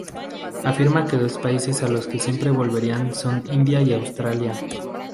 Afirma que dos países a los que siempre volvería son India y Australia.